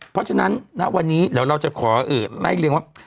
เพราะฉะนั้นณวันนี้แล้วเราจะขอเอ่อไม่เรียกว่า